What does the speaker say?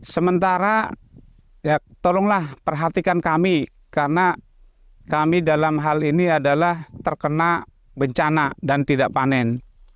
sementara ya tolonglah perhatikan kami karena kami dalam hal ini adalah terkena bencana dan tidak panen